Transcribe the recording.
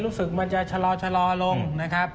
รู้สึกมันจะชะลอลงนะครับ